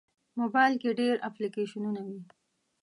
موبایل کې ډېر اپلیکیشنونه وي.